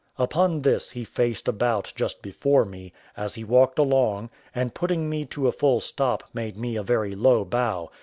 Upon this he faced about just before me, as he walked along, and putting me to a full stop, made me a very low bow.